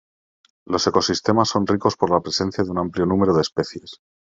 Los ecosistemas son ricos por la presencia de un amplio número de especies.